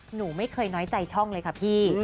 หนูไม่เคยน้อยใจช่องเลยค่ะพี่